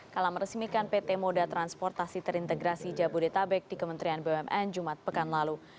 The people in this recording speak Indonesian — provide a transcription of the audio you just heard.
kala meresmikan pt moda transportasi terintegrasi jabodetabek di kementerian bumn jumat pekan lalu